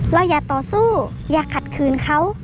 เราอยากต่อสู้อยากขัดขืนเขา